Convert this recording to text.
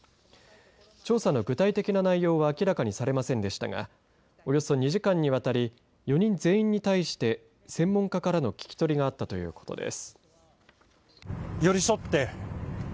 調査の具体的な内容は明らかにされませんでしたがおよそ２時間にわたり４人全員に対して専門家からの聞き取りがあったということです。